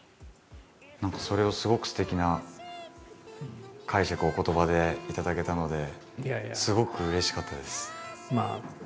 何かそれをすごくすてきな解釈をお言葉で頂けたのですごくうれしかったです。